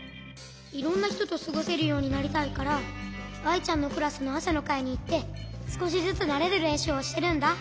いろんなひととすごせるようになりたいからアイちゃんのクラスのあさのかいにいってすこしずつなれるれんしゅうをしてるんだ。